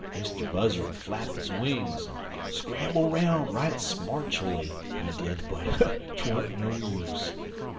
Mr. Buzzard flap his wings, en scramble 'roun' right smartually, he did, but 'twant no use.